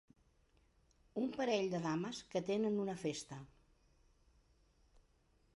Un parell de dames que tenen una festa.